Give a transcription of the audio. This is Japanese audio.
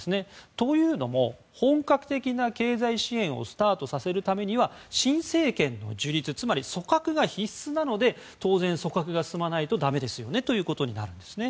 というのも、本格的な経済支援をスタートさせるためには新政権の樹立つまり組閣が必須なので当然、組閣が進まないとだめですとなるんですね。